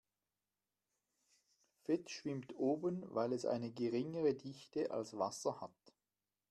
Fett schwimmt oben, weil es eine geringere Dichte als Wasser hat.